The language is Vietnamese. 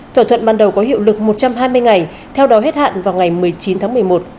thỏa thuận ban đầu có hiệu lực một trăm hai mươi ngày theo đó hết hạn vào ngày một mươi chín tháng một mươi một